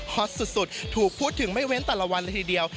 อตสุดถูกพูดถึงไม่เว้นแต่ละวันเลยทีเดียว